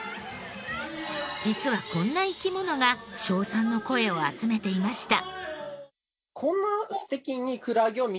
実はこんな生き物が称賛の声を集めていました。